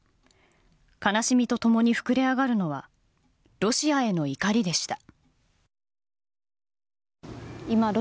悲しみと共に膨れ上がるのはロシアへの怒りでした。